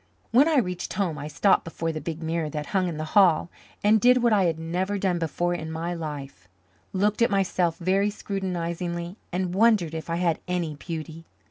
When I reached home I stopped before the big mirror that hung in the hall and did what I had never done before in my life looked at myself very scrutinizingly and wondered if I had any beauty.